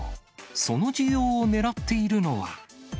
その需要をねらっているのは。